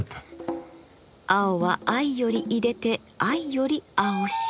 青は藍よりいでて藍より青し。